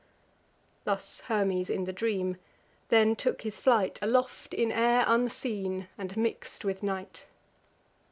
Thus Hermes in the dream; then took his flight Aloft in air unseen, and mix'd with night.